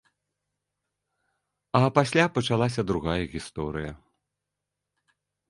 А пасля пачалася другая гісторыя.